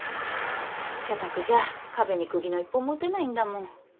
社宅じゃ壁にくぎの一本も打てないんだもん。